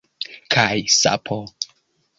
Kaj sapo!